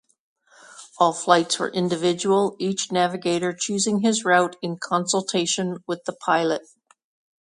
All flights were individual, each navigator choosing his route in consultation with the pilot.